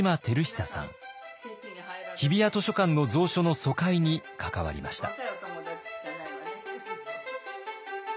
日比谷図書館の蔵書の疎開に関わりました。